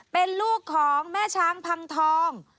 เป็นลูกของแม่ช้างพังทอง